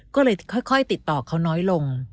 ก็เลยค่อยติดต่อเขาน้อยลง